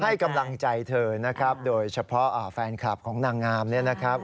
ให้กำลังใจเธอนะครับโดยเฉพาะแฟนคลับของนางงามเนี่ยนะครับ